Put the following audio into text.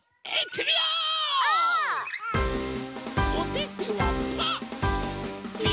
おててはパー。